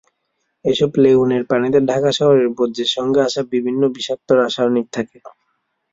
এসব লেগুনের পানিতে ঢাকা শহরের বর্জ্যের সঙ্গে আসা বিভিন্ন বিষাক্ত রাসায়নিক থাকে।